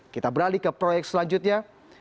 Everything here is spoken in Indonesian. kita beralih ke proyek selanjutnya